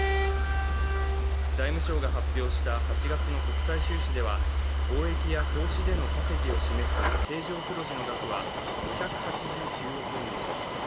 財務省が発表した８月の国際収支では貿易や投資での稼ぎを示す経常黒字の額は５８９億円でした。